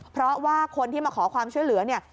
เพราะว่าคนที่มาขอความช่วยเหลือเนี่ย